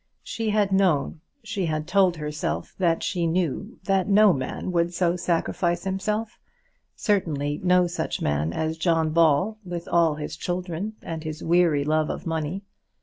She had known she had told herself that she knew that no man would so sacrifice himself; certainly no such man as John Ball, with all his children and his weary love of money!